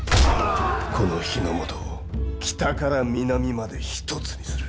この日ノ本を北から南まで一つにする。